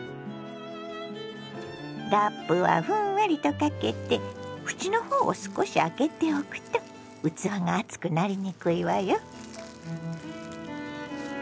ラップはふんわりとかけて縁の方を少し開けておくと器が熱くなりにくいわよ。